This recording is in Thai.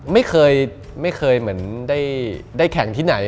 ไม่เคยเหมือนได้แข่งที่ไหน